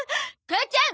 母ちゃん！